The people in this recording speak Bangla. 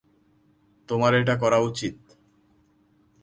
তোমার এটা করা উচিত।